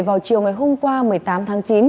vào chiều ngày hôm qua một mươi tám tháng chín